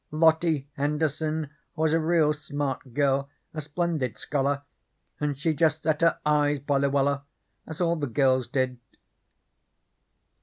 Lottie Henderson was a real smart girl, a splendid scholar, and she just set her eyes by Luella, as all the girls did.